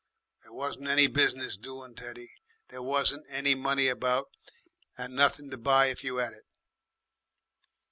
There wasn't any business doin', Teddy, there wasn't any money about, and nothin' to buy if you 'ad it."